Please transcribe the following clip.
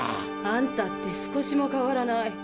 あんたって少しも変わらない。